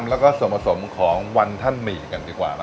แล้วก็ส่วนผสมของวันท่านหมี่กันดีกว่า